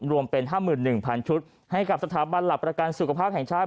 รวมเป็น๕๑๐๐๐ชุดให้กับสถาบันหลักประกันสุขภาพแห่งชาติ